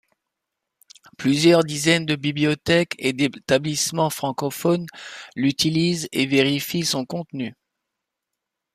Plusieurs dizaines de bibliothèques et d'établissements francophones l'utilisent et vérifient son contenu.